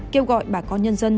kêu gọi bà con nhân dân